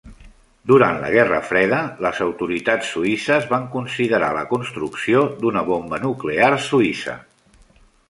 Durant la Guerra Freda, les autoritats suïsses van considerar la construcció d'una bomba nuclear suïssa.